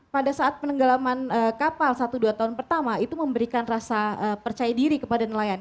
pada saat penenggelaman kapal satu dua tahun pertama itu memberikan rasa percaya diri kepada nelayan